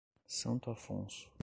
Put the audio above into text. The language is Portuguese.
Santo Afonso